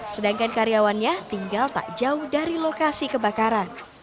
sedangkan karyawannya tinggal tak jauh dari lokasi kebakaran